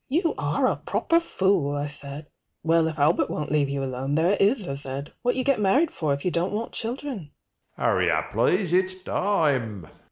You are a proper fool, I said. Well, if Albert won't leave you alone, there it is, I said, What you get married for if you don't want children?